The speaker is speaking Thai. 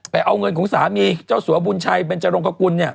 ไปเอาเงินของสามีเจ้าสวบุญชัยเป็นเจรงกระกุ้น